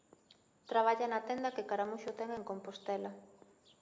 Traballa na tenda que Caramuxo ten en Compostela.